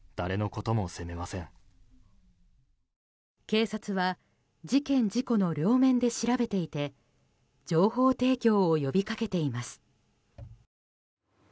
警察は事件事故の両面で調べていて情報提供を呼びかけています。